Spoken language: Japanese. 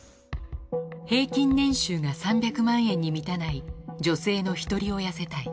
平均年収が３００万円に満たない女性のひとり親世帯。